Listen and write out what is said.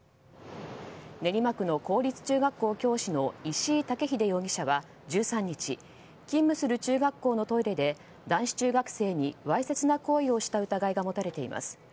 練馬区の公立中学校教師の石井武秀容疑者は１３日、勤務する中学校のトイレで男子中学生にわいせつな行為をした疑いが持たれています。